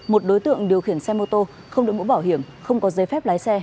một đối tượng điều khiển xe mô tô không được mũ bảo hiểm không có giấy phép lái xe